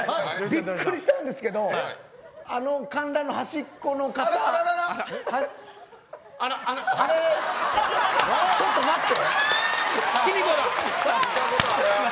びっくりしたんですけどこの看板の端っこの方あれれ、ちょっと待って。